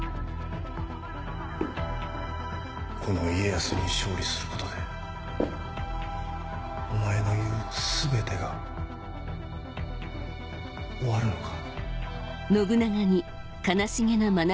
この家康に勝利することでお前の言う「全て」が終わるのか？